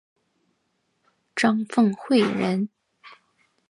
张凤翙人。